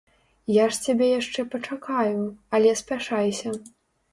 Я ж цябе яшчэ пачакаю, але спяшайся.